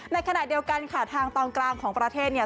ในขณะเดียวกันค่ะทางตอนกลางของประเทศเนี่ย